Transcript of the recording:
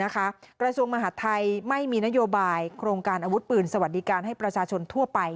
กระทรวงมหาดไทยไม่มีนโยบายโครงการอาวุธปืนสวัสดิการให้ประชาชนทั่วไป